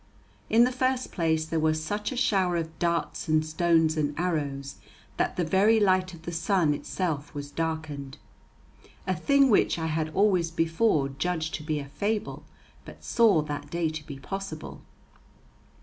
In the first place there was such a shower of darts and stones and arrows that the very light of the sun itself was darkened, a thing which I had always before judged to be a fable, but saw that day to be possible.